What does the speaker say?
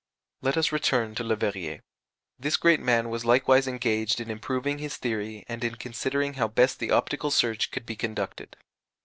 Let us return to Leverrier. This great man was likewise engaged in improving his theory and in considering how best the optical search could be conducted.